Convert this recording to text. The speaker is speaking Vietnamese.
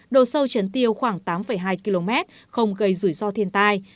độ sâu chấn tiêu khoảng tám hai km không gây rủi ro thiên tai